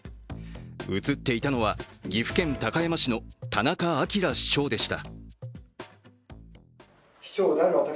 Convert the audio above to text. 映っていたのは岐阜県高山市の田中明市長でした。